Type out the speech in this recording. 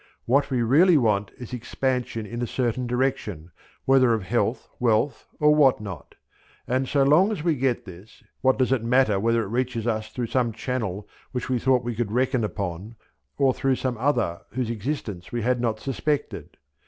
What we really want is expansion in a certain direction, whether of health, wealth, or what not: and so long as we get this, what does it matter whether it reaches us through some channel which we thought we could reckon upon or through some other whose existence we had not suspected.